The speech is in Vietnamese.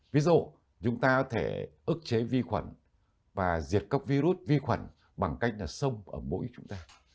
ví dụ chúng ta có thể ức chế vi khuẩn và diệt các virus vi khuẩn bằng cách là sông ở mũi chúng ta